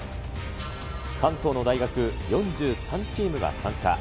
関東の大学４３チームが参加。